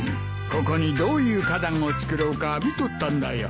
ここにどういう花壇を作ろうか見とったんだよ。